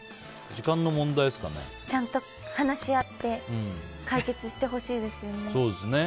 ちゃんと話し合って解決してほしいですよね。